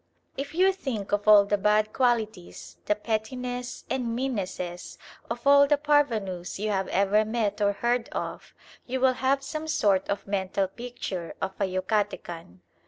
If you think of all the bad qualities, the pettinesses and meannesses of all the parvenus you have ever met or heard of, you will have some sort of mental picture of a Yucatecan.